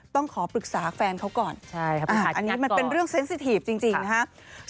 ต้องขอปรึกษาแฟนเขาก่อนอันนี้มันเป็นเรื่องเซ็นสิทีฟจริงนะครับ